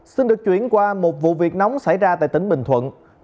xin được chuyển qua một vụ việc nóng xảy ra tại tỉnh bình thuận